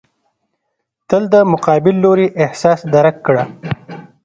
تل د مقابل لوري احساس درک کړه.